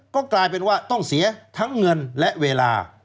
ก็กลายเป็นว่าต้องเสียทั้งเงินและเวลา